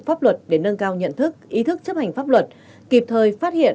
pháp luật để nâng cao nhận thức ý thức chấp hành pháp luật kịp thời phát hiện